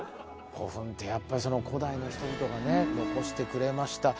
古墳ってやっぱり古代の人々が残してくれました。